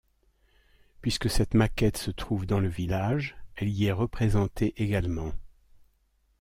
Puisque cette maquette se trouve dans le village, elle y est représentée également.